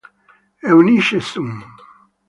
Eunice Sum